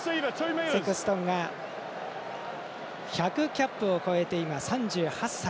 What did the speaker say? セクストンが１００キャップを超えて３８歳。